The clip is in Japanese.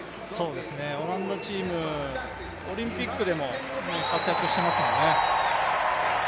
オランダチーム、オリンピックでも活躍していますのでね。